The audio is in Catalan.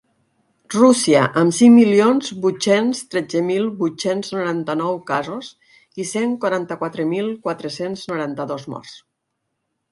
Rússia, amb cinc milions vuit-cents tretze mil vuit-cents noranta-nou casos i cent quaranta-quatre mil quatre-cents noranta-dos morts.